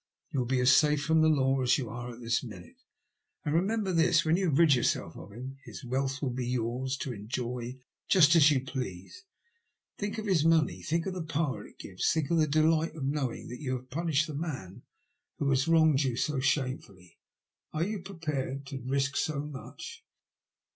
You will be as safe from the law as you are at this minute. And remember this, when you have rid yourself of him, his wealth will be yours to enjoy just as you please. Think of his money — think of the power it gives, think of the delight of knowing that you have punished the man who ENGLAND ONCE MOEE. 65 has wronged you so shamefully. Are you prepared to risk so much?"